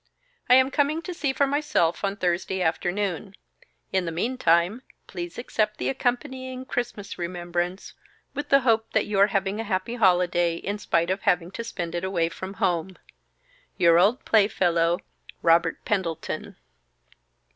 "I am coming to see for myself on Thursday afternoon. In the meantime, please accept the accompanying Christmas remembrance, with the hope that you are having a happy holiday, in spite of having to spend it away from home. "Your old playfellow, "ROBERT PENDLETON."